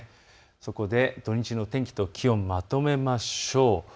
そこで土日の天気と気温をまとめました。